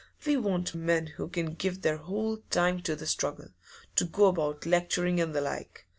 We want men who can give their whole time to the struggle to go about lecturing and the like.